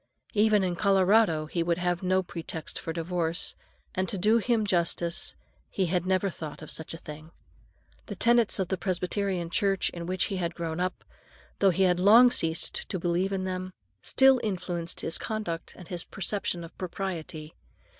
Even in Colorado he would have had no pretext for divorce, and, to do him justice, he had never thought of such a thing. The tenets of the Presbyterian Church in which he had grown up, though he had long ceased to believe in them, still influenced his conduct and his conception of propriety.